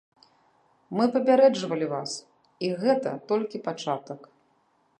Мы папярэджвалі вас, і гэта толькі пачатак.